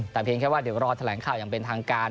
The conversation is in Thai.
แต่เพียงแค่ว่าเดี๋ยวรอแถลงข่าวอย่างเป็นทางการ